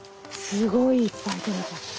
すごいいっぱいとれた。